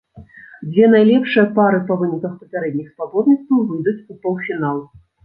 Дзве найлепшыя пары па выніках папярэдніх спаборніцтваў выйдуць у паўфінал.